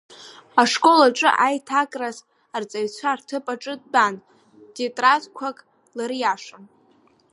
Ашкол аҿы аиҭакраз арҵаҩцәа рҭыԥ аҿы дтәан, тетрадқәак лыриашон.